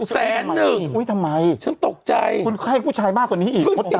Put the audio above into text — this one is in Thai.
แสนหนึ่งอุ้ยทำไมฉันตกใจคุณไข้ผู้ชายมากกว่านี้อีก